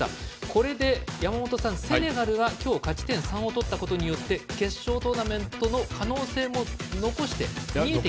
これで山本さん、セネガルは今日勝ち点３を取ったことで決勝トーナメントの可能性も残して。